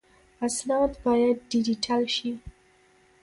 اسناد باید ډیجیټل شي